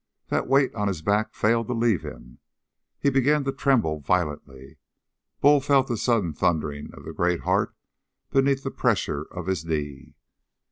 That weight on his back failed to leave him. He began to tremble violently. Bull felt the sudden thundering of the great heart beneath the pressure of his knee.